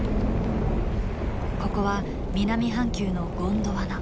ここは南半球のゴンドワナ。